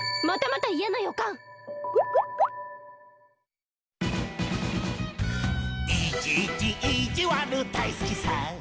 またまたいやなよかん！